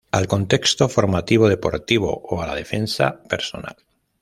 Al contexto formativo, deportivo, o a la defensa personal.